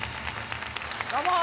どうもー！